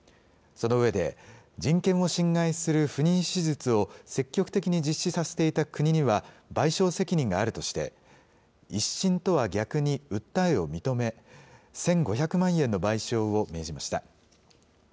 その上で、人権を侵害する不妊手術を積極的に実施させていた国には賠償責任があるとして、１審とは逆に訴えを認め、１５００万円の賠償を命じました。